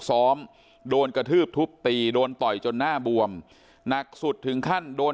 ซ้อมโดนกระทืบทุบตีโดนต่อยจนหน้าบวมหนักสุดถึงขั้นโดน